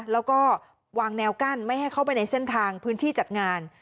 แล้วก็วางแนวกั้นไม่ให้เข้าไปในเส้นทางพื้นที่จัดงาน